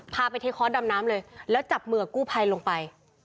พาไปเทคอร์สดำน้ำเลยแล้วจับมือกับกู้ภัยลงไป